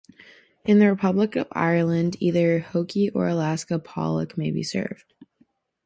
In the Republic of Ireland either hoki or Alaska pollock may be served.